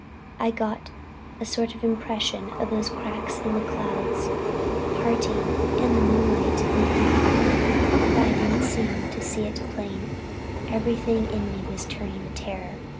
I got a sort of impression of those cracks in the clouds parting and the moonlight leaking through; but I didn't seem to see it plain, everything in me was turned to terror.